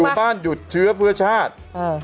บ้านหยุดเชื้อเพื่อชาติ